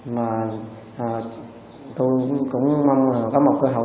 và tôi cũng mong có một cơ hội